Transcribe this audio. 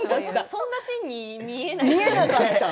そんなシーンに見えない。